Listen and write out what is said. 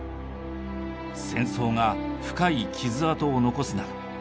戦争が深い傷跡を残すなか